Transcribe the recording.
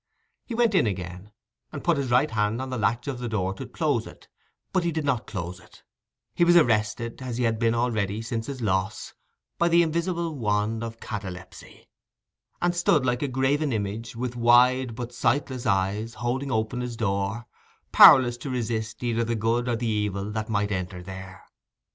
He went in again, and put his right hand on the latch of the door to close it—but he did not close it: he was arrested, as he had been already since his loss, by the invisible wand of catalepsy, and stood like a graven image, with wide but sightless eyes, holding open his door, powerless to resist either the good or the evil that might enter there.